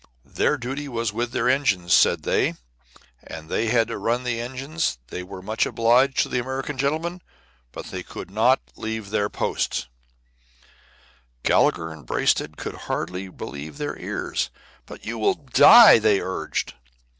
Their duty was with their engines, said they; they had to run the engines; they were much obliged to the American gentlemen, but they could not leave their post. Gallagher and Braisted could scarcely believe their ears. "But you will die!" they urged.